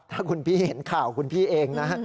ถ้าคุณพี่เห็นข่าวคุณพี่เองนะฮะ